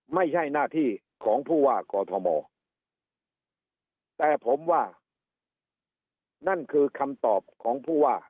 ไม่ใช่หน้าที่ของผู้ว่ากอทมแต่ผมว่านั่นคือคำตอบของผู้ว่า